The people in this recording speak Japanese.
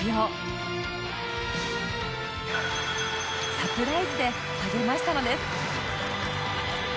サプライズで励ましたのです